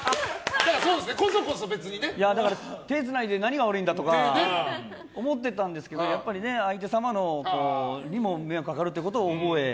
手をつないで何が悪いんだとか思ってたんですけど相手様にも迷惑がかかるということを覚え